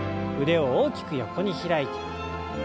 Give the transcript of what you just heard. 腕を大きく横に開いて。